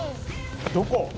どこ？